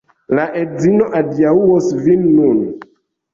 La edzino adiaŭos vin nun